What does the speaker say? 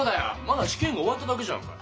まだ試験が終わっただけじゃんか。